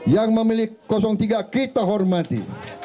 yang memiliki tiga kita hormati